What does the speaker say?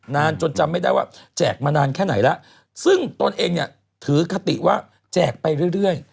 นานจนจำไม่ได้ว่าแจกมานานแค่ไหนแล้วซึ่งตนเองเนี่ยถือคติว่าแจกไปเรื่อย